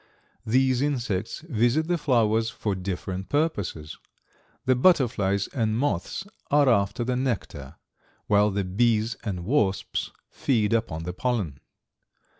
These insects visit the flowers for different purposes. The butterflies and moths are after the nectar, while the bees and wasps feed upon the pollen.